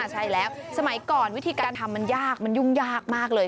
ใช่แล้วสมัยก่อนวิธีการทำมันยากมันยุ่งยากมากเลย